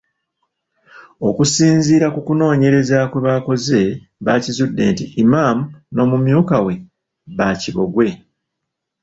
Okusinziira ku kunoonyereza kwe baakoze baakizudde nti Imam n'omumyuka we baakiboggwe.